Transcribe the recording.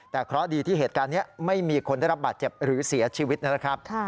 แต่เคราะห์ดีที่เหตุการณ์นี้ไม่มีคนได้รับบาดเจ็บหรือเสียชีวิตนะครับ